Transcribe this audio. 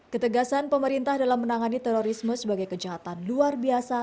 ketegasan pemerintah dalam menangani terorisme sebagai kejahatan luar biasa